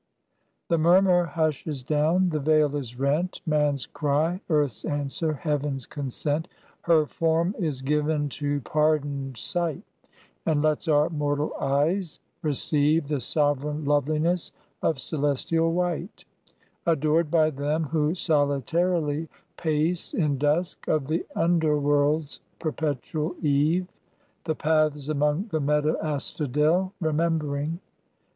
The murmur hushes down, the veil is rent. Man's cry, earth's answer, heaven's consent, Her form is given to pardoned sight, And lets our mortal eyes receive The sovereign loveliness of celestial white; Adored by them who solitarily pace, In dusk of the underworld's perpetual eve, The paths among the meadow asphodel, Remembering.